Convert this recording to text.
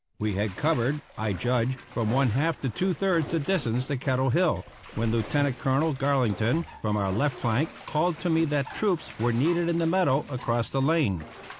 We had covered, I judge, from one half to two thirds the distance to Kettle Hill when Lieutenant Colonel Garlington, from our left flank called to me that troops were needed in the meadow across the lane.